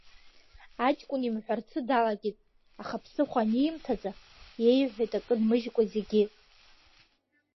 Аҷкәын имҳәарцы далагеит, аха ԥсыхәа аниимҭаӡа, иеиҳәеит акы нмыжькәа зегьы…